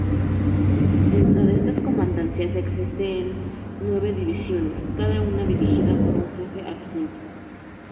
Dentro de estas comandancias existen nueve divisiones, cada una dirigida por un Jefe Adjunto.